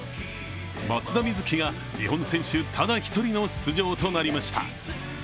松田瑞生が日本選手ただ１人の出場となりました。